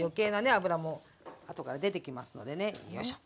油もあとから出てきますのでねよいしょ。